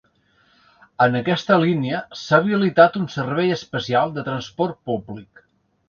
En aquesta línia, s’ha habilitat un servei especial de transport públic.